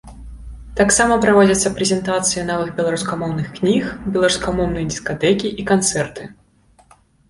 Таксама праводзяцца прэзентацыі новых беларускамоўных кніг, беларускамоўныя дыскатэкі і канцэрты.